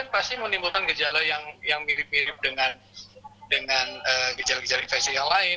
pasti menimbulkan gejala yang mirip mirip dengan gejala gejala infeksi yang lain